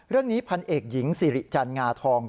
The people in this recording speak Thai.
เรื่องนี้พันเอกหญิงสิริจันงาทอง